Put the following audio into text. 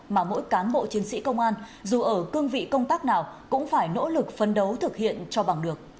mà mỗi cán bộ chiến sĩ công an dù ở cương vị công tác nào cũng phải nỗ lực phấn đấu thực hiện cho bằng được